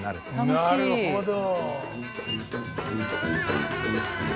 なるほど。